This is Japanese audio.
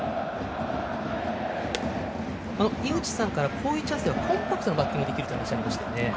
井口さんからこういうチャンスではコンパクトにバッティングできるとありました。